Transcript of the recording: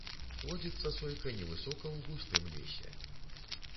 Плодзіцца сойка невысока ў густым лесе.